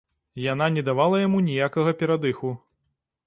Яна не давала яму ніякага перадыху.